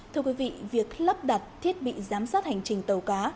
thưa quý vị việc lắp đặt thiết bị giám sát hành trình tàu cá